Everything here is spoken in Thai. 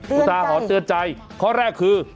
อุทาหรณ์เตือนใจข้อแรกคือ